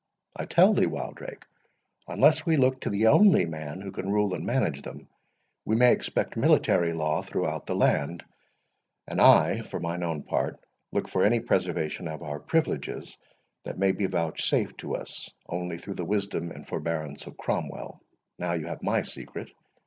I tell thee, Wildrake, unless we look to the only man who can rule and manage them, we may expect military law throughout the land; and I, for mine own part, look for any preservation of our privileges that may be vouchsafed to us, only through the wisdom and forbearance of Cromwell. Now you have my secret.